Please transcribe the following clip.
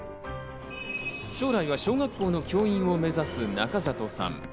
将来は小学校の教員を目指す中里さん。